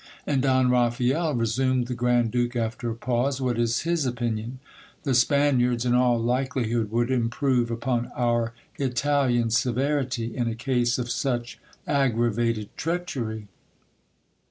And Don Raphael, resumed the grand duke after a pause, what is his opinion ? The Spaniards, in all likeli hood, would improve upon our Italian severity, in a case of such aggravated treachery.